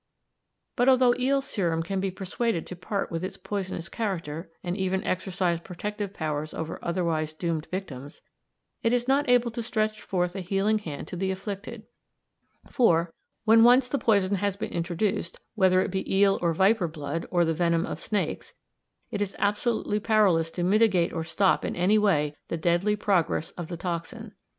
But although eel serum can be persuaded to part with its poisonous character and even exercise protective powers over otherwise doomed victims, it is not able to stretch forth a healing hand to the afflicted, for, when once the poison has been introduced, whether it be eel or viper blood, or the venom of snakes, it is absolutely powerless to mitigate or stop in any way the deadly progress of the toxin.